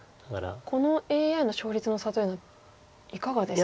このＡＩの勝率の差というのはいかがですか？